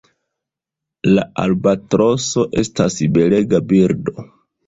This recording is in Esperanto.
La Albatroso estas belega birdo.